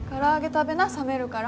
食べな冷めるから。